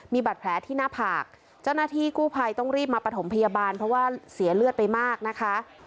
มีบาดแผลที่หน้าผากเจ้าหน้าที่กู้ภัยต้องรีบมาประถมพยาบาลเพราะว่าเสียเลือดไปมากนะคะ